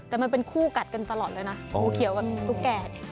แต่มันเป็นคู่กัดกันตลอดเลยนะงูเขียวกับตุ๊กแก่เนี่ย